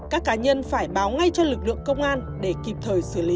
các cá nhân phải báo ngay cho lực lượng công an để kịp thời xử lý